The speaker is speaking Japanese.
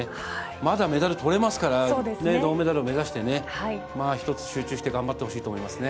まだメダルとれますから、銅メダルを目指してね、１つ集中して頑張ってほしいと思いますね。